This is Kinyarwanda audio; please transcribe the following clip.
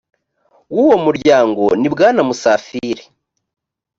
w uwo muryango ni bwana musafiri